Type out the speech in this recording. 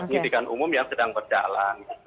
penyidikan umum yang sedang berjalan